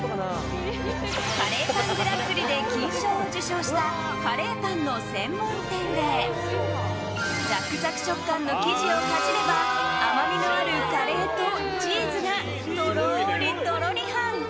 カレーパングランプリで金賞を受賞したカレーパンの専門店でザクザク食感の生地をかじれば甘みのあるカレーとチーズがとろーりとろりはん！